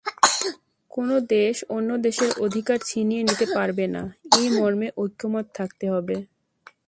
কোনো দেশ অন্য দেশের অধিকার ছিনিয়ে নিতে পারবে না—এই মর্মে ঐকমত্য থাকতে হবে।